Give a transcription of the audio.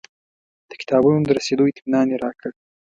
د کتابونو د رسېدو اطمنان یې راکړ.